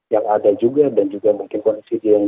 yang ada juga dan juga mungkin kondisi dia yang